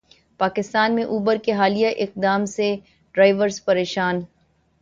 پاکستان میں اوبر کے حالیہ اقدام سے ڈرائیورز پریشان